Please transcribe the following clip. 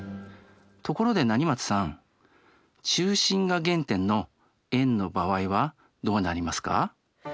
ところで成松さん中心が原点の円の場合はどうなりますか？